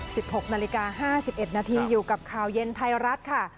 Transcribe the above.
หกนาฬิกาห้าสิบเอ็ดนาทีอยู่กับข่าวเย็นไทยรัฐค่ะ